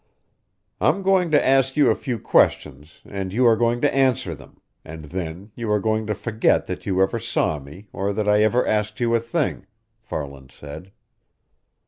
"I'm going to ask you a few questions, and you are going to answer them, and then you are going to forget that you ever saw me or that I ever asked you a thing," Farland said.